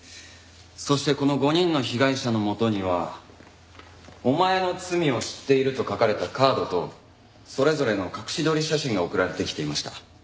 そしてこの５人の被害者のもとには「お前の罪を知っている」と書かれたカードとそれぞれの隠し撮り写真が送られてきていました。